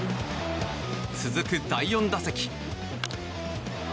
続く第４打席。